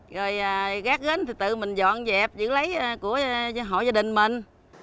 rồi gác gánh thì tự mình dọn dẹp giữ lấy của họ gia đình mình